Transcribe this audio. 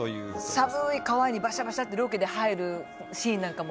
寒い川にバシャバシャッてロケで入るシーンなんかも。